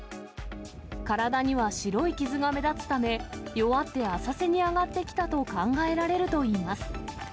体には白い傷が目立つため、弱って浅瀬に上がってきたと考えられるといいます。